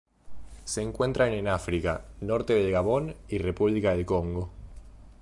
Se encuentran en África: norte del Gabón y República del Congo.